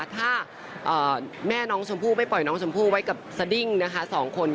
ถ้าแม่น้องชมพู่ไม่ปล่อยน้องชมพู่ไว้กับสดิ้งนะคะ๒คน